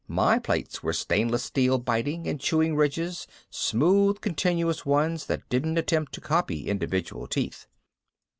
My plates were stainless steel biting and chewing ridges, smooth continuous ones that didn't attempt to copy individual teeth.